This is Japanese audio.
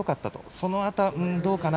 そのあと、どうかな